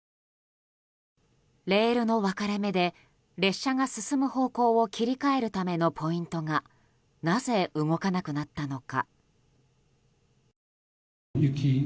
レールの分かれ目で、列車が進む方向を切り替えるためのポイントがなぜ動かなくなったのか。